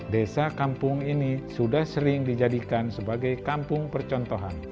desa kampung ini sudah sering dijadikan sebagai kampung percontohan